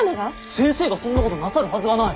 先生がそんなことなさるはずがない。